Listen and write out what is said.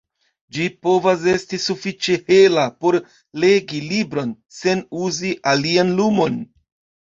Ĝi povas esti sufiĉe hela por legi libron sen uzi alian lumon.